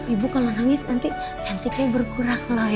ibu kalo nangis nanti cantiknya berkurang loh ibu